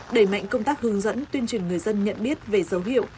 đẩy mạnh công tác hướng dẫn tuyên truyền người dân nhận biết về dấu hiệu